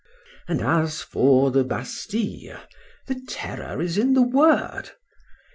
—And as for the Bastile; the terror is in the word.